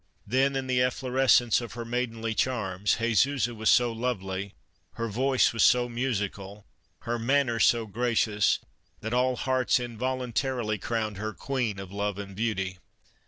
Then in the efflorescence of her maidenly charms, Jesusa was so lovely, her voice was so musical, her manner so gracious, that all hearts involuntarily crowned her queen of love and beauty.